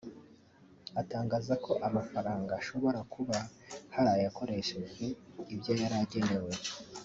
atangaza ko amafaranga ashobora kuba hari ayakoreshejwe ibyo yari agenewe